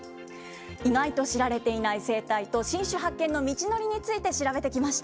意外と知られていない生態と新種発見の道のりについて調べてきました。